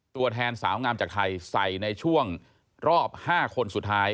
ตัวแทนสาวงามจากไทยใส่ในช่วงรอบ๕คนสุดท้าย